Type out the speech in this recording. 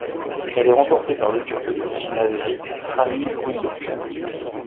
Elle est remportée par le Turc d'origine Azérie Ramil Guliyev.